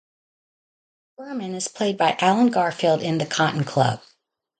Berman is played by Allen Garfield in "The Cotton Club".